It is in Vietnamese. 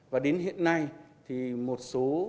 và đến hiện nay thì một số